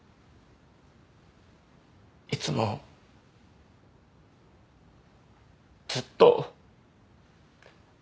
いつもずっと。